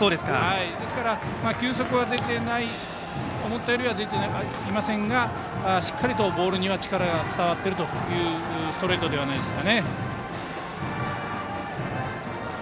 ですから、球速は思ったよりは出ていませんがしっかりボールには力が伝わっているというストレートではないですかね。